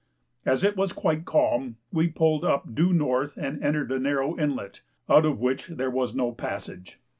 As it was quite calm, we pulled up due north and entered a narrow inlet, out of which there was no passage.